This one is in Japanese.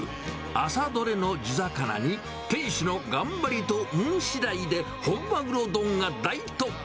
朝取れの地魚に、店主の頑張りと運しだいで本マグロ丼が大特価。